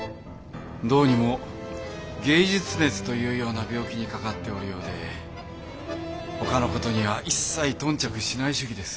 どうにも芸術熱というような病気にかかっておるようで他のことには一切頓着しない主義です。